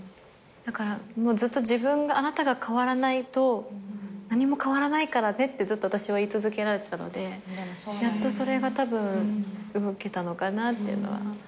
ずっと「あなたが変わらないと何も変わらないからね」って私は言い続けられてたのでやっとそれがたぶん動けたのかなっていうのは。